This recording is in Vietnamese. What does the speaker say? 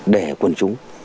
để quần chúng